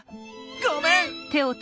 ごめん！